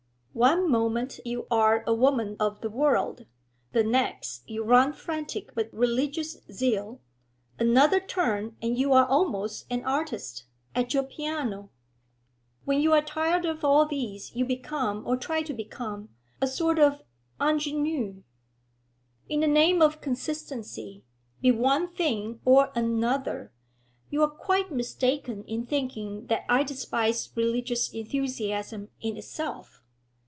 One moment you arc a woman of the world, the next you run frantic with religious zeal, another turn and you are almost an artist, at your piano; when you are tired of all these you become, or try to become, a sort of ingenue. In the name of consistency, be one thing or another. You are quite mistaken in thinking that I despise religious enthusiasm in itself.